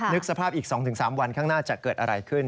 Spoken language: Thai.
นึกสภาพอีก๒๓วันข้างหน้าจะเกิดอะไรขึ้น